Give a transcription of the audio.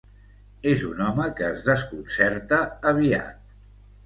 És un home que es desconcerta aviat.